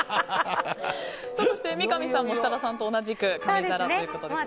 そして三上さんも設楽さんと同じく紙皿ですね。